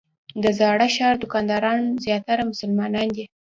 د زاړه ښار دوکانداران زیاتره مسلمانان دي.